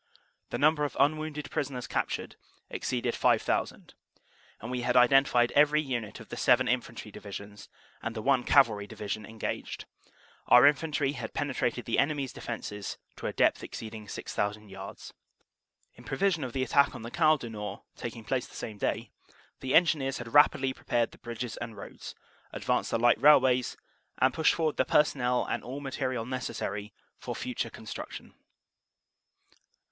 "The number of unwounded prisoners captured exceeded 5,000, and we had identified every Unit of the seven Infantry Divisions and the one Cavalry Division engaged. Our In fantry had penetrated the enemy s defenses to a depth exceed ing 6,000 yards. "In prevision of the attack on the Canal du Nord taking place the same day, the Engineers had rapidly prepared the bridges and roads, advanced the light railways, and pushed forward the personnel and all material necessary for future construction."